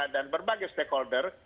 dan berbagai stakeholder